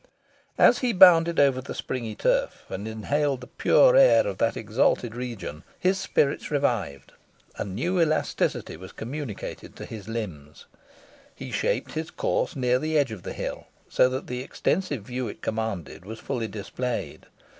As he bounded over the springy turf, and inhaled the pure air of that exalted region, his spirits revived, and new elasticity was communicated to his limbs. He shaped his course near the edge of the hill, so that the extensive view it commanded was fully displayed.